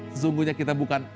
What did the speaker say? sesungguhnya kita bukan